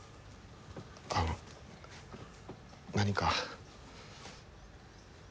あの何か。